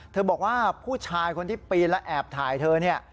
เธอบอกว่าผู้ชายคนที่ปีนแล้วแอบถ่ายเธอ